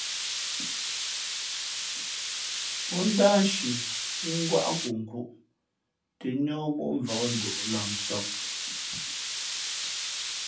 Pó ndáh nshi pí ngwáʼ nkunkhūʼ tᾱ níά móʼ mvǎk nduʼ lamsāk.